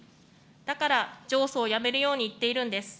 だから上訴をやめるように言っているんです。